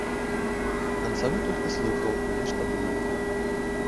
Канцавы толькі слухаў і нешта думаў.